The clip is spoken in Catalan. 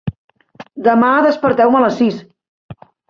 Demà desperteu-me a les sis.